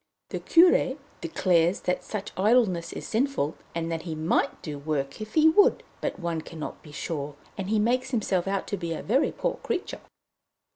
The Curé declares that such idleness is sinful, and that he might work if he would; but one cannot be sure, and he makes himself out to be a very poor creature.